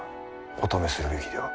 お止めするべきでは？